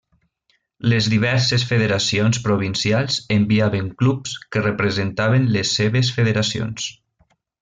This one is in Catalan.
Les diverses federacions provincials enviaven clubs que representaven les seves federacions.